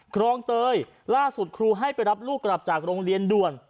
คลองเตยล่าสุดครูให้ไปรับลูกกลับจากโรงเรียนด่วน